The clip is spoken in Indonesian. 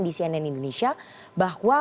di cnn indonesia bahwa